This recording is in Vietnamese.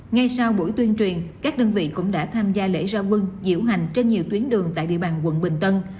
ngay sau buổi tuyên truyền các đơn vị cũng đã tham gia lễ ra quân diễu hành trên nhiều tuyến đường tại địa bàn quận bình tân